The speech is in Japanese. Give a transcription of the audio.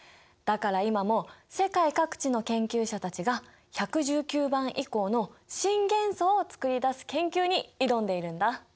だから今も世界各地の研究者たちが１１９番以降の新元素を作り出す研究に挑んでいるんだ。